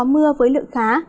mưa với lượng khá